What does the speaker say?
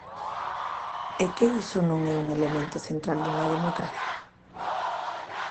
¿É que iso non é un elemento central dunha democracia?